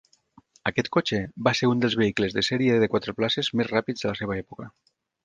Aquest cotxe va ser un dels vehicles de sèrie de quatre places més ràpids de la seva època.